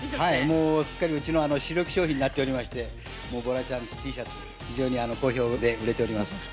もう、すっかりうちの主力商品となっておりまして、ボラちゃんＴシャツ、非常に好評で売れております。